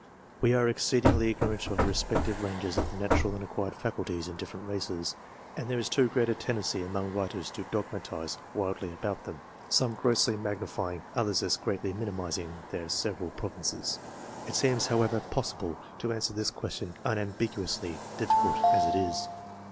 We are exceedingly ignorant of the respective ranges of the natural and acquired faculties in different races, and there is too great a tendency among writers to dogmatize wildly about them, some grossly magnifying, others as greatly minimising their several provinces. It seems however possible to answer this question unam biguously, difficult as it is.